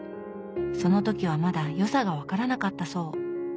その時はまだ良さが分からなかったそう。